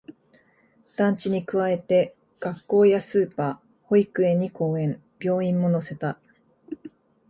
団地に加えて、学校やスーパー、保育園に公園、病院も乗せた